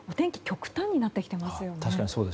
極端になってきていますよね。